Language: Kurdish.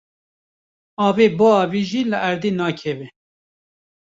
Avê biavêjî li erdê nakeve.